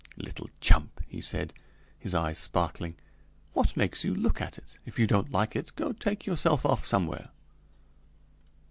"Little chump," he said, his eyes sparkling, "what makes you look at it? If you don't like it, go take yourself off somewhere."